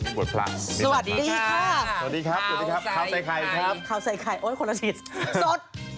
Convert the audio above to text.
สวัสดีค่ะสวัสดีครับขาวใส่ไข่ครับขาวใส่ไข่โอ้ยคนละชิดสด